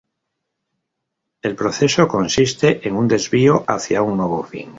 El proceso consiste en un desvío hacia un nuevo fin.